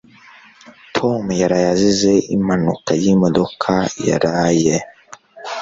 Tom yaraye azize impanuka yimodoka yaraye.